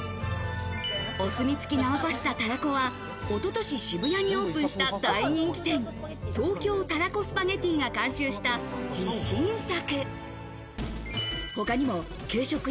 お墨付き生パスタたらこは一昨年、渋谷にオープンした大人気店、東京たらこスパゲティが監修した自信作。